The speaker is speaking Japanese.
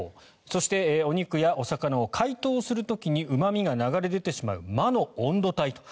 そして、お肉やお魚を解凍する時にうま味が流れ出てしまう魔の温度帯と。